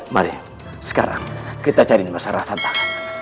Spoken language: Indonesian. mari sekarang kita cari masalah santakan